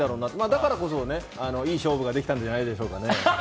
だからこそ、いい勝負ができたんじゃないですかね。